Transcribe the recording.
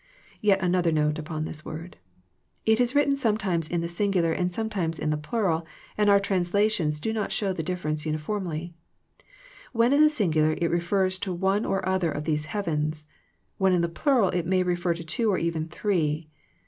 Yet another note upon this word. It is written sometimes in the singular and sometimes in the plural and our translations do not show the dif ference uniformly. When in the singular it refers to one or other of these heavens ; when in the plural it may refer to two or even three.